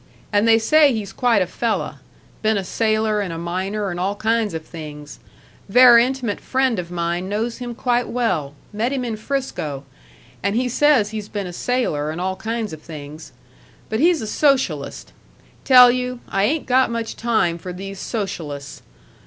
And they say he's quite a fella; been a sailor and a miner and all kinds of things; ver' intimate friend of mine knows him quite well met him in 'Frisco and he says he's been a sailor and all kinds of things. But he's a socialist. Tell you, I ain't got much time for these socialists.